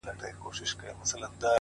• کښتۍ وان چي وه لیدلي توپانونه,